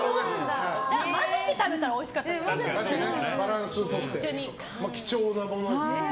混ぜて食べたらおいしかったんじゃないですか。